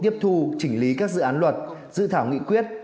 tiếp thu chỉnh lý các dự án luật dự thảo nghị quyết